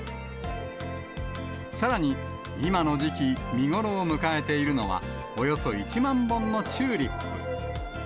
さらに、今の時期、見頃を迎えているのは、およそ１万本のチューリップ。